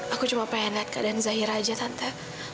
aku cuma ingin melihat keadaan zahira saja tante